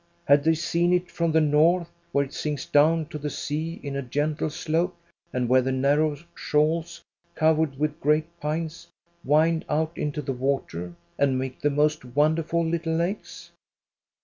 Had they seen it from the north, where it sinks down to the sea in a gentle slope, and where the narrow shoals, covered with great pines wind out into the water, and make the most wonderful little lakes